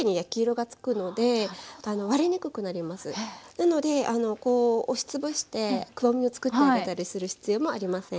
なのでこう押しつぶしてくぼみを作ってあげたりする必要もありません。